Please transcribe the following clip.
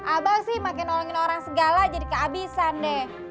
abah sih makin nolongin orang segala jadi kehabisan deh